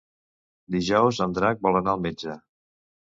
Dijous en Drac vol anar al metge.